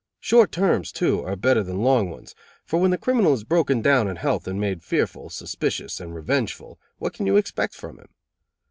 Short terms, too, are better than long ones, for when the criminal is broken down in health and made fearful, suspicious and revengeful, what can you expect from him?